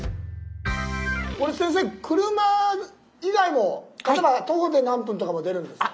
これ先生車以外も例えば徒歩で何分とかも出るんですか？